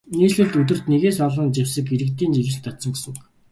Нийслэлд өдөрт нэгээс олон зэвсэг иргэдийн эзэмшилд очсон гэсэн үг.